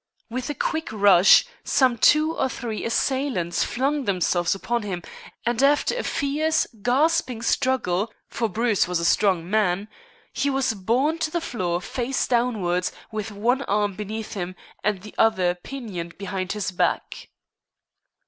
With a quick rush, some two or three assailants flung themselves upon him, and after a fierce, gasping struggle for Bruce was a strong man he was borne to the floor face downwards, with one arm beneath him and the other pinioned behind his back.